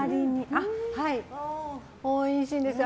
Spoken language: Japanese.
おいしいんですよ。